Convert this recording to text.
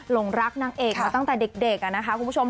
หลงรักนางเอกมาตั้งแต่เด็กนะคะคุณผู้ชม